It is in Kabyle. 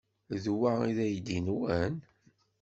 D wa ay d aydi-nwen?